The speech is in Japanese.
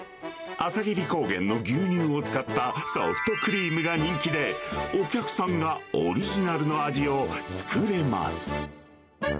朝霧高原の牛乳を使ったソフトクリームが人気で、お客さんがオリジナルの味を作れます。